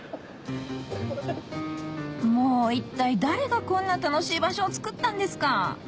もう一体誰がこんな楽しい場所を作ったんですか！